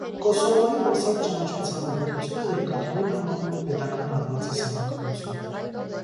Կոսովոյի մասամբ ճանաչված հանրապետությունը երկաթուղին համարում է պետական հատվածի սեփականությունը։